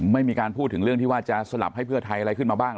ไม่มีการพูดถึงเรื่องที่ว่าจะสลับให้เพื่อไทยอะไรขึ้นมาบ้าง